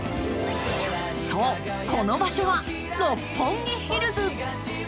そう、この場所は六本木ヒルズ。